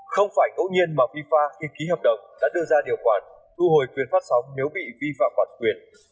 không phải ngẫu nhiên mà fifa khi ký hợp đồng đã đưa ra điều khoản thu hồi quyền phát sóng nếu bị vi phạm bản quyền